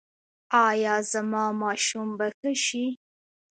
ایا زما ماشوم به ښه شي؟